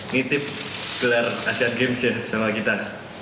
ngitip gelar asean games ya sama kita